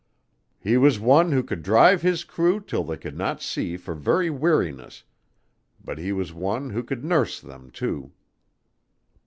He was one could drive his crew till they could not see for very weariness; but he was one could nurse them, too.